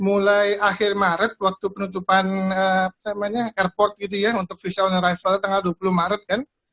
mulai akhir maret waktu penutupan airport gitu ya untuk visa on arrivalnya tanggal dua puluh maret kan